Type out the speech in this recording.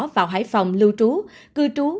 vào hải phòng lưu trú cư trú